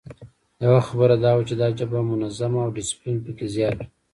یوه خبره دا وه چې دا جبهه منظمه او ډسپلین پکې زیات وو.